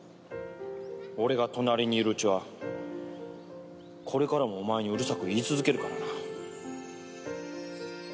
俺が隣にいるうちはこれからもお前にうるさく言い続けるからな。